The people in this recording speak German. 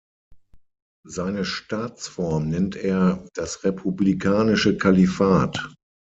Seine Staatsform nennt er „Das republikanische Kalifat“.